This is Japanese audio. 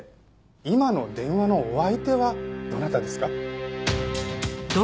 今の電話のお相手はどなたですか？